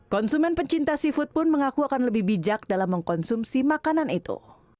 konsumen pecinta seafood pun mengaku akan lebih bijak dalam mengkonsumsi makanan itu